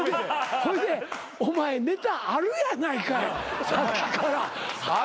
ほいでお前ネタあるやないかいさっきから。